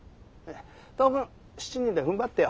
当分７人でふんばってよ。